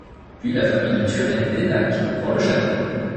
Puis la famille de Turenne d'Aynac vend le château.